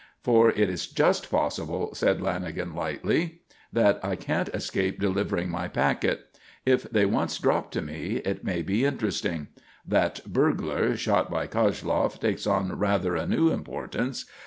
"For it's just possible," said Lanagan lightly, "that I can't escape delivering my packet. If they once drop to me, it may be interesting. That 'burglar' shot by Koshloff takes on rather a new importance.